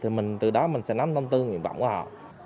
thì mình từ đó mình sẽ nắm tâm tư nguyện vọng của họ